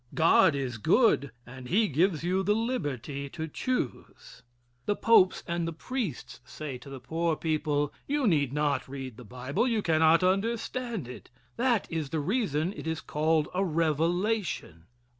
God is good, and he gives you the liberty to choose." The popes and the priests say to the poor people: "You need not read the Bible. You cannot understand it. That is the reason it is called a revelation.